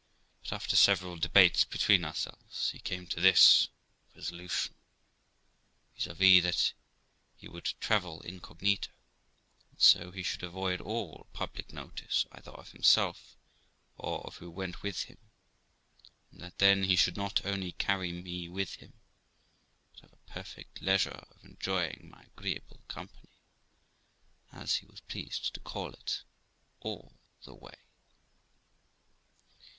But after several debates between ourselves, he came to this resolution, viz., that he would travel incognito, and so he should avoid all public notice either of himself or of who went with him; and that then he should 252 THE LIFE OF ROXANA not only carry me with him, but have a perfect leisure of enjoying my agreeable company (as he was pleased to call it) all the way.